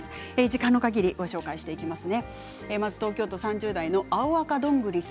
時間の限りご紹介していきます。